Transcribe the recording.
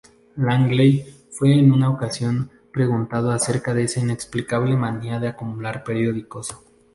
Langley fue en una ocasión preguntado acerca de esa inexplicable manía de acumular periódicos.